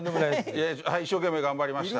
一生懸命頑張りました。